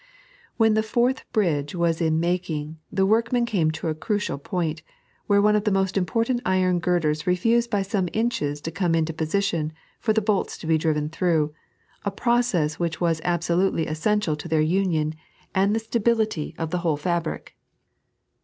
W]ieo the Forth Bridge was in making, the workmen came to a crucial point, where one of the most important iron girders refused by some inches to come into position for the bolts to be driven through — a process which was alMolutely essential to their union and the stability of the 3.n.iized by Google 36 SiLBHT Influence. whole fabric.